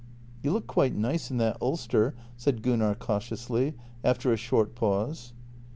" You look quite nice in that ulster," said Gunnar cautiously, after a short pause.